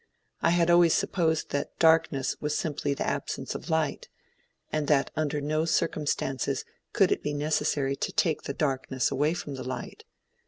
I had always supposed that darkness was simply the absence of light, and that under no circumstances could it be necessary to take the darkness away from the light.